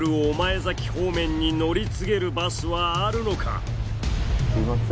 御前崎方面に乗り継げるバスはあるのか？